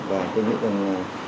và tôi nghĩ rằng